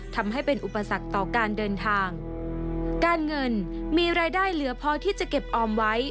ทำให้เป็นอุปสรรคต่อการเดินทางการเงินมีรายได้เหลือพอที่จะเก็บออมไว้